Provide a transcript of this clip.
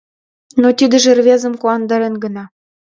Но тидыже рвезым куандарен гына.